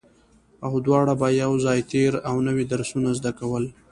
او دواړو به يو ځای تېر او نوي درسونه زده کول